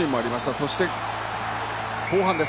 そして、後半です。